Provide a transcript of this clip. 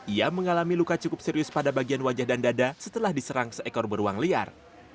ia mengalami luka cukup serius pada bagian wajah dan dada setelah diserang seekor beruang liar